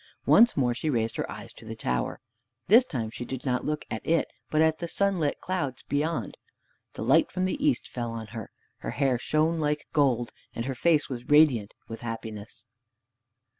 Once more she raised her eyes to the tower. This time she did not look at it, but at the sunlit clouds beyond. The light from the east fell on her. Her hair shone like gold, and her face was radiant with happiness.